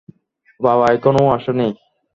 বাবা এখনো আসেনি?